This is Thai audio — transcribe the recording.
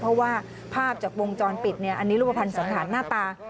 เพราะว่าภาพจากวงจรปิดอันนี้รูปภัณฑ์สันธารหน้าตา